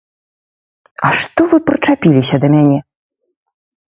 А што вы прычапіліся да мяне?